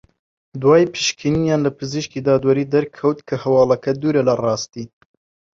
دوای پشکنینیان لە پزیشکی دادوەری دەرکەوت کە هەواڵەکە دوورە لە راستی